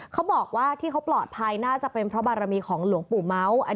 เขาบอกว่าที่เขาปลอดภัยน่าจะเป็นเพราะบารมีของหลวงปู่เมาส์